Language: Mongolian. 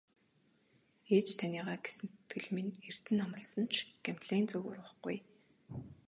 Ээж таныгаа гэсэн сэтгэл минь эрдэнэ амласан ч Гималайн зүг урвахгүй ээ.